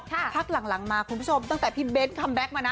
พักหลังมาคุณผู้ชมตั้งแต่พี่เบ้นคัมแก๊กมานะ